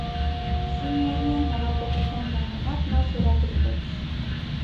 Սինյանյան հողափոխության ժամանակ նա զորագրվեց։